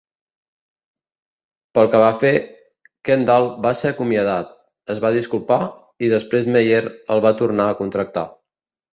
Pel que va fer, Kendall va ser acomiadat, es va disculpar, i després Meyer el va tornar a contractar.